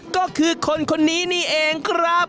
ก็คือคนคนนี้นี่เองครับ